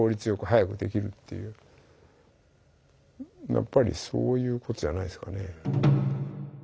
やっぱりそういうことじゃないですかね。